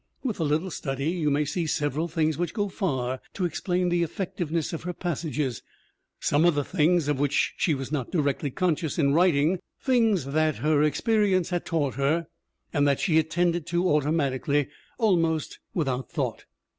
With a little study you may see several things which go far to explain the effective ness of her passages, some of them things of which she was not directly conscious in writing, things that her experience had taught her and that she attended to automatically, almost without thought.